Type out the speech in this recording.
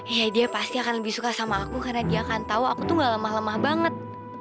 ya dia pasti akan lebih suka sama aku karena dia akan tahu aku tuh gak lemah lemah banget